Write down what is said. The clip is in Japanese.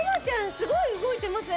すごい動いてません？